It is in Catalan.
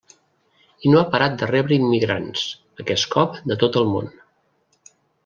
I no ha parat de rebre immigrants, aquest cop de tot el món.